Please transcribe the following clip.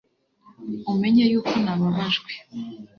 umenye yuko nababajwe